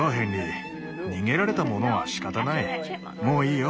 もういいよ